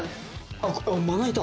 あっまな板。